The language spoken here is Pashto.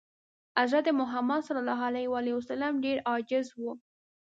حضرت محمد ﷺ ډېر عاجز و.